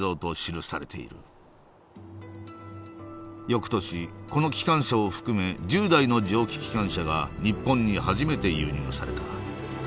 よくとしこの機関車を含め１０台の蒸気機関車が日本に初めて輸入された。